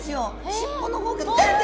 尻尾の方から出て。